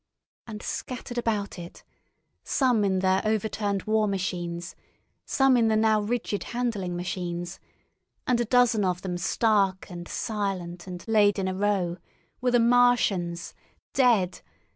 And scattered about it, some in their overturned war machines, some in the now rigid handling machines, and a dozen of them stark and silent and laid in a row, were the Martians—dead!